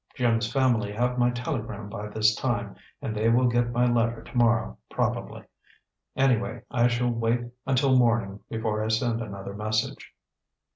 Jim's family have my telegram by this time, and they will get my letter to morrow, probably. Anyway, I shall wait until morning before I send another message."